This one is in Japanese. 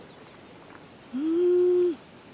うん。